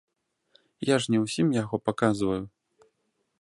Я ж не ўсім яго паказваю.